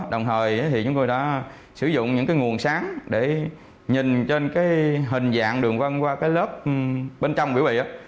đồng thời thì chúng tôi đã sử dụng những cái nguồn sáng để nhìn trên cái hình dạng đường văn qua cái lớp bên trong biểu bìa